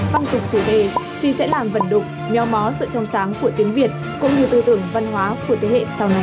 văn tục chủ đề thì sẽ làm vận động nheo mó sự trông sáng của tiếng việt cũng như tư tưởng văn hóa của thế hệ sau này